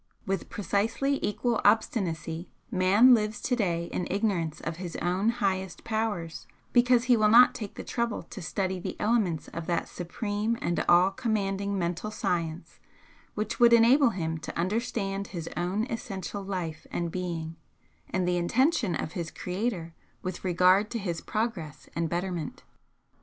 With precisely equal obstinacy man lives to day in ignorance of his own highest powers because he will not take the trouble to study the elements of that supreme and all commanding mental science which would enable him to understand his own essential life and being, and the intention of his Creator with regard to his progress and betterment.